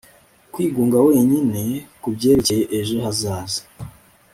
Kwigunga wenyine kubyerekeye ejo hazaza